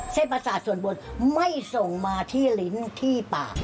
ประสาทส่วนบนไม่ส่งมาที่ลิ้นที่ปาก